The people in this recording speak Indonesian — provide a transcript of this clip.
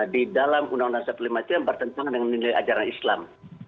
di dalam undang undang sekelima itu yang bertentangan dengan menilai ajaran islam